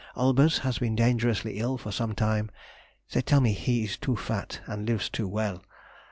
Olbers has been dangerously ill for some time; they tell me he is too fat, and lives too well.